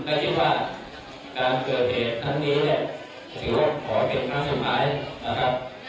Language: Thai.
ถ้าคิดว่าการเกิดเหตุทั้งนี้เนี่ยผมก็ขอเป็นครั้งสุดท้ายนะครับ